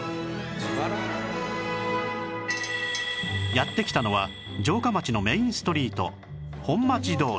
やって来たのは城下町のメインストリート本町通り